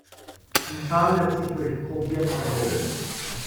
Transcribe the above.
Die Zahl lässt sich durch Probieren ermitteln.